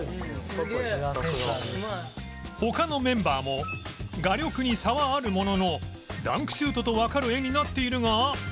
他のメンバーも画力に差はあるもののダンクシュートとわかる絵になっているが